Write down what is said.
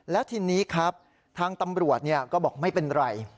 แล้วทีนี้ครับทางตำรวจก็บอกไม่เป็นไร